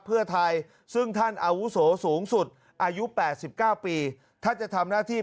เพื่อไทยซึ่งท่านอาวุโสสูงสุดอายุ๘๙ปีท่านจะทำหน้าที่